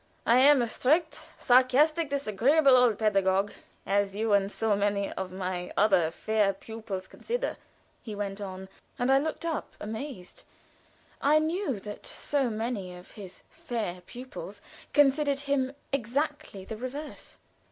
"I am a strict, sarcastic, disagreeable old pedagogue, as you and so many of my other fair pupils consider," he went on, and I looked up in amaze. I knew that so many of his "fair pupils" considered him exactly the reverse.